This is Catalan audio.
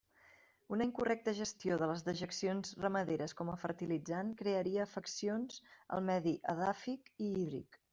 Una incorrecta gestió de les dejeccions ramaderes com a fertilitzant crearia afeccions al medi edàfic i hídric.